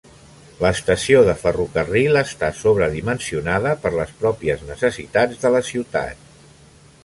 L'estació de ferrocarril està sobredimensionada per les pròpies necessitats de la ciutat.